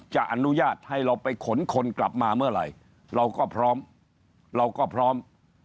จะอนุญาตให้เราไปขนคนกลับมาเมื่อไหร่เราก็พร้อมเราก็พร้อม